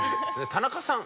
田中さん。